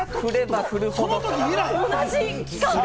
同じ期間。